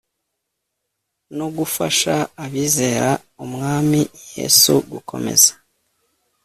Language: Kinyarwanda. no gufasha abizera Umwami Yesu gukomeza